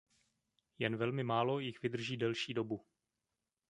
Jen velmi málo jich vydrží delší dobu.